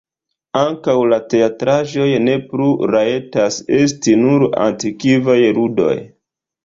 Ankaŭ la teatraĵoj ne plu rajtas esti nur antikvaj ludoj.